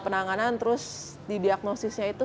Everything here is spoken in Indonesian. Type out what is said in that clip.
penanganan terus didiagnosisnya itu